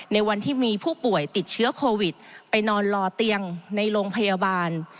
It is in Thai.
ในวันที่มีผู้ป่วยติดเชื้อโควิดไปนอนรอเตียงในโรงพยาบาล